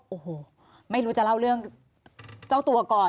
โอ้โหไม่รู้จะเล่าเรื่องเจ้าตัวก่อน